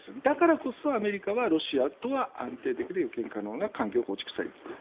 だからこそアメリカはロシアとは安定的で予見可能な関係を構築したいと。